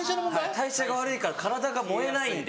代謝が悪いから体が燃えないんで。